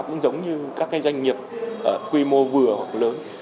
cũng giống như các cái doanh nghiệp quy mô vừa hoặc lớn